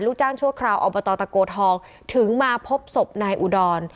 จ้างชั่วคราวอบตตะโกทองถึงมาพบศพนายอุดร